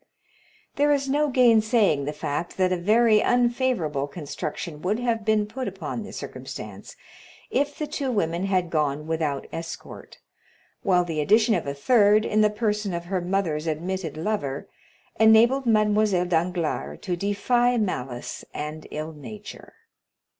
There is no gainsaying the fact that a very unfavorable construction would have been put upon the circumstance if the two women had gone without escort, while the addition of a third, in the person of her mother's admitted lover, enabled Mademoiselle Danglars to defy malice and ill nature.